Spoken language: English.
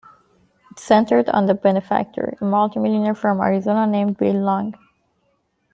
It centered on the "Benefactor", a multi-millionaire from Arizona named Bill Long.